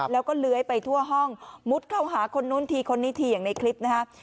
แล้วก็เลื้อยไปทั่วห้องมุดเข้าหาคนนู้นทีคนนี้ทีอย่างในคลิปนะฮะ